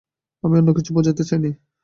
আমি অন্য কিছু বুঝাতে চাইনি।